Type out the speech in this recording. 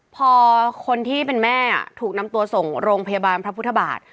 พอคนที่เป็นแม่ถูกนำตัวส่งโรงพยาบาลพระพุทธบาท